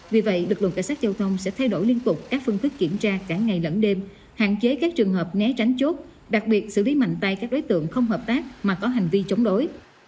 vì vậy lực lượng cảnh sát giao thông sẽ thay đổi liên tục các phương thức kiểm tra cả ngày lẫn đêm hạn chế các trường hợp né tránh chốt đặc biệt xử lý mạnh tay các đối tượng không hợp tác mà có hành vi chống đối